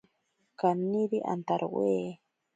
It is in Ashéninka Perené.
Kaniri antarowe.